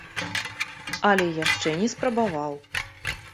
Але яшчэ не спрабаваў.